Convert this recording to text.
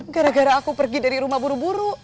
gara gara aku pergi dari rumah buru buru